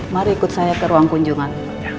mari ikut saya ke ruang kunjungan